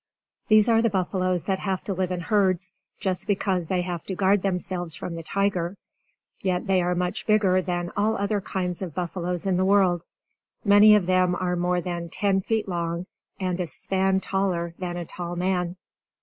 These are the buffaloes that have to live in herds just because they have to guard themselves from the tiger. Yet they are much bigger than all other kinds of buffaloes in the world. Many of them are more than ten feet long, and a span taller than a tall man.